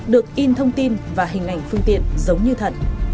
được in thông tin và hình ảnh phương tiện giống như thật